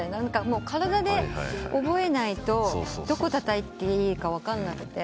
体で覚えないとどこたたいていいか分かんなくて。